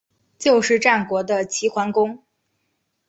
就是战国的齐桓公。